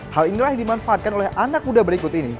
hal inilah yang dimanfaatkan oleh anak muda berikut ini